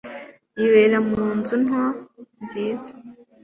yibera mu nzu nto nziza